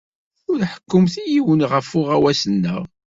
Ur ḥekkumt i yiwen ɣef uɣawas-nneɣ.